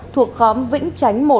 thuộc khóm vĩnh chánh một